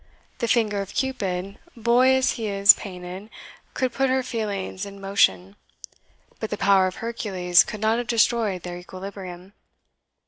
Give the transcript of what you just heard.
The finger of Cupid, boy as he is painted, could put her feelings in motion; but the power of Hercules could not have destroyed their equilibrium.